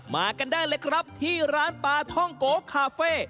มากันได้เลยครับที่ร้านปลาท่องโกคาเฟ่